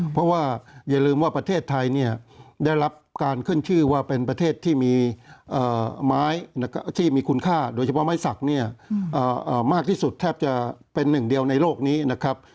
เพราะว่าอย่าลืมว่าประเทศไทยเนี่ยได้รับการขึ้นชื่อว่าเป็นประเทศที่มีไม้ที่มีคุณค่าโดยเฉพาะไม้สักเนี่ยมากที่สุดแทบจะเป็นหนึ่งเดียวในโลกนี้นะครับ